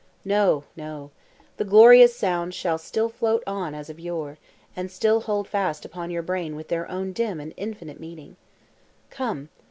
No, no; the glorious sounds shall still float on as of yore, and still hold fast upon your brain with their own dim and infinite meaning. Come!